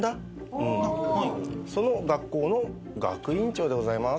その学校の学院長でございます。